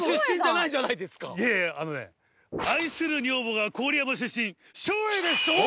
いやいやあのね愛する女房が郡山出身照英です！